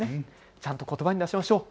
ちゃんとことばに出しましょう。